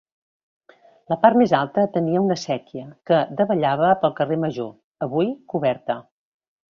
La part més alta tenia una séquia que davallava pel carrer Major, avui coberta.